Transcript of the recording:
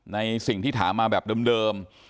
ในสิ่งที่ถามมาแบบเดิม